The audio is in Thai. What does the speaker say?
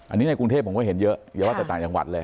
อันนี้ในกรุงเทพผมก็เห็นเยอะอย่าว่าแต่ต่างจังหวัดเลย